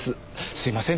すいません